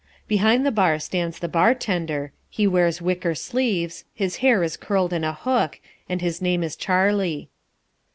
Behind the bar stands the Bar tender. He wears wicker sleeves, his hair is curled in a hook, and his name is Charlie.